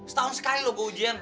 setahun sekali lo gue ujian